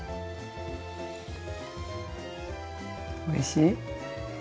おいしい？